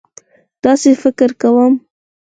داسې فکر کوم.